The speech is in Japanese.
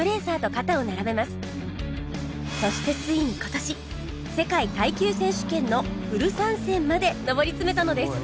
そしてついに今年世界耐久選手権のフル参戦まで上り詰めたのです